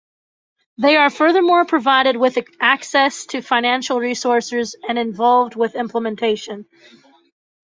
They are furthermore provided with access to financial resources and involved in implementation.